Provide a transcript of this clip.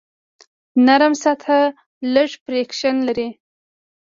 نرم سطحه لږ فریکشن لري.